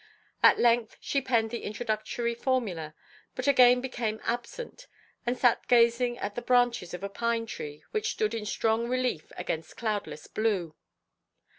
At length she penned the introductory formula, but again became absent, and sat gazing at the branches of a pine tree which stood in strong relief against cloudless blue.